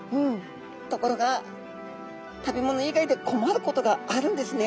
ところが食べ物以外で困ることがあるんですね。